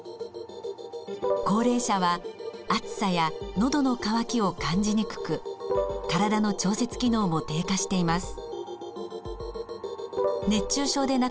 高齢者は暑さやのどの渇きを感じにくく体の調節機能も低下しています。